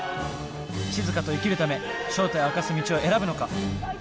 しずかと生きるため正体を明かす道を選ぶのか？